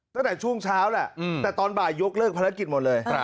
ตั้งแต่ช่วงเช้าแหละแต่ตอนบ่ายยกเลิกภารกิจหมดเลย